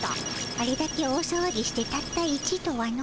あれだけ大さわぎしてたった１とはの。